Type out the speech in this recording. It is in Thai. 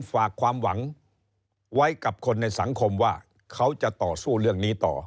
ฝากความหวังไว้กับคนในสังคมว่าเขาจะต่อสู้เรื่องนี้ต่อ